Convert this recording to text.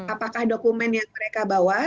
apakah dokumen yang mereka bawa